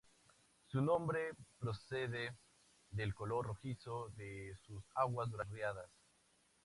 Su nombre procede del color rojizo de sus aguas durante las riadas.